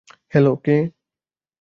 Hello, কে?